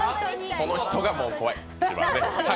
この人がもう怖い。